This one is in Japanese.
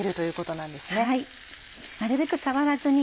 なるべく触らずに。